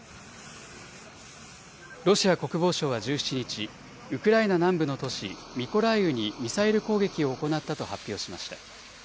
ロシア国防省は１７日、ウクライナ南部の都市ミコライウにミサイル攻撃を行ったと発表しました。